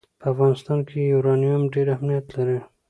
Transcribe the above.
په افغانستان کې یورانیم ډېر اهمیت لري.